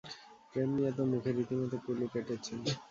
প্রেম নিয়ে তো মুখে রীতিমতো কুলুপ এঁটেছেন।